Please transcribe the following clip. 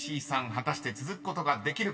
果たして続くことができるか？］